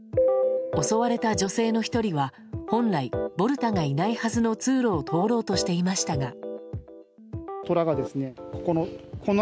襲われた女性の１人は本来、ボルタがいないはずの通路を通ろうとしていましたが。